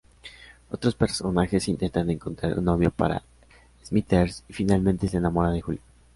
Otros personajes intentan encontrar un novio para Smithers, y finalmente se enamora de Julio.